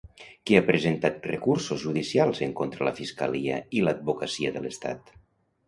Qui ha presentat recursos judicials en contra la Fiscalia i l'Advocacia de l'Estat?